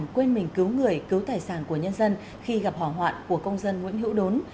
quên mình cứu người cứu tài sản của nhân dân khi gặp hỏa hoạn của công dân nguyễn hữu đốn